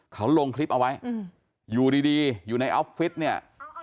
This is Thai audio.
เขาลงคลิปเอาไว้อยู่ดีอยู่ในออฟฟิศเนี่ย